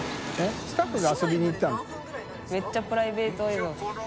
めっちゃプライベート映像。